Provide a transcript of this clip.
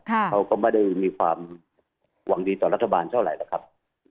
เขาก็ไม่ได้มีความหวังดีต่อรัฐบาลเท่าไหร่หรอกครับ